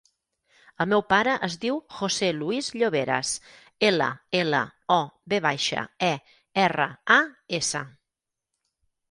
El meu pare es diu José luis Lloveras: ela, ela, o, ve baixa, e, erra, a, essa.